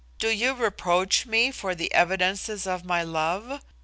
Do you reproach me for the evidences of my love?